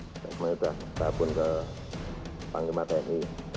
sekarang sudah kita pun ke panglima tni